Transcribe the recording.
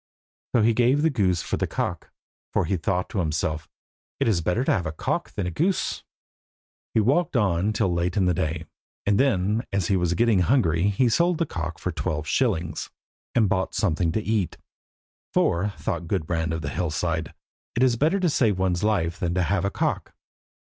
So he gave the goose for the cock, for he thought to himself "It is better to have a cock than a goose." He walked on till late in the day, and then as he was getting hungry he sold the cock for twelve shillings, and bought something to eat, for, thought Gudbrand of the Hillside "It is better to save one's life than have a cock."